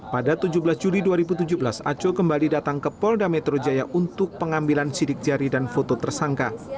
pada tujuh belas juli dua ribu tujuh belas aco kembali datang ke polda metro jaya untuk pengambilan sidik jari dan foto tersangka